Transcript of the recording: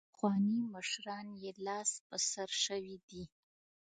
پخواني مشران یې لاس په سر شوي دي.